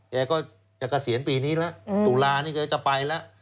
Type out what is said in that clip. แกก็จะเกษียณปีนี้แล้วตุลานี่แกจะไปแล้ว